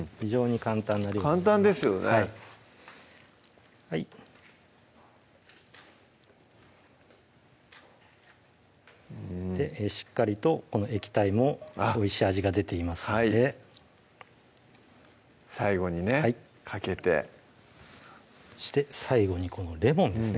簡単ですよねしっかりとこの液体もおいしい味が出ていますので最後にねかけてそして最後にこのレモンですね